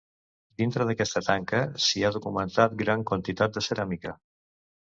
Dintre d'aquesta tanca s'hi ha documentat gran quantitat de ceràmica.